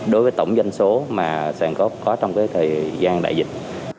đối với tổng doanh số mà sản có trong cái thời gian đại dịch